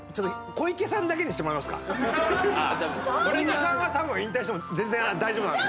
小池さんは多分引退しても全然大丈夫なんで。